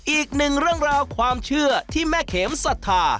อีกหนึ่งเรื่องราวความเชื่อที่แม่เข็มศรัทธา